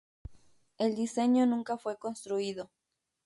El diseño nunca fue construido.